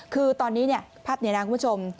คือตอนนี้ภาพนี้นะคุณผู้ชม